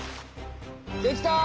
できた！